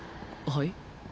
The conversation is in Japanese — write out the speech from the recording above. はい？